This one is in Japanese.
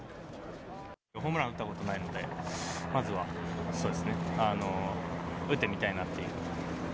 ホームラン打ったことないので、まずは打ってみたいなっていう。